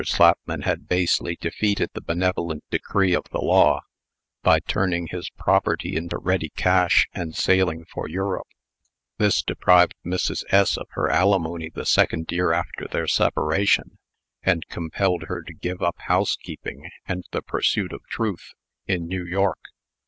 Slapman had basely defeated the beneficent decree of the law, by turning his property into ready cash, and sailing for Europe. This deprived Mrs. S. of her alimony the second year after their separation, and compelled her to give up housekeeping, and the pursuit of TRUTH, in New York.